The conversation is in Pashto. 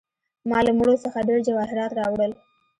ما له مړو څخه ډیر جواهرات راوړل.